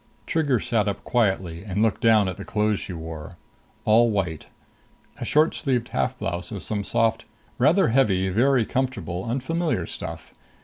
Trigger sat up quietly and looked down at the clothes she wore. All white. A short sleeved half blouse of some soft, rather heavy, very comfortable unfamiliar stuff.